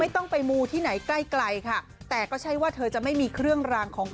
แต่ก็ใช้ว่าเธอจะไม่มีเครื่องราง